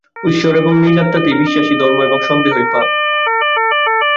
ঈশ্বর এবং নিজ আত্মাতে বিশ্বাসই ধর্ম, সন্দেহই পাপ।